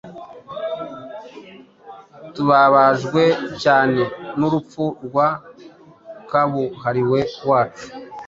tubabajwe cyane n’urupfu rwa kabuhariwe wacu